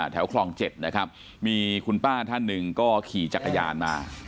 แถวคลอง๗นะครับมีคุณป้าท่านหนึ่งก็ขี่จักรยานมา